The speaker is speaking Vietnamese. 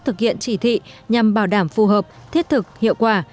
thực hiện chỉ thị nhằm bảo đảm phù hợp thiết thực hiệu quả